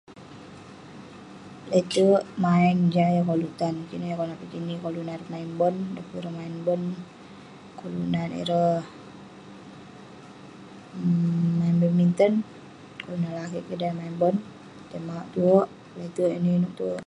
Leterk main ineh koluk tan kik konak main bon. Koluk nat ireh main bon, koluk koluk nat ireh um main badminten. Kuk neh dan lakeik kik main bon, tai mauk tuek. Leterk Inuek-inuek tuek